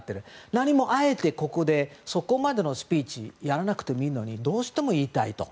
何もあえてここで、そこまでのスピーチをやらなくてもいいのにどうしても言いたいと。